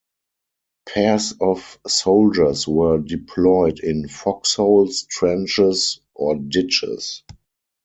Pairs of soldiers were deployed in foxholes, trenches, or ditches.